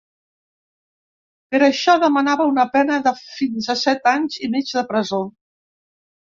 Per això demanava una pena de fins a set anys i mig de presó.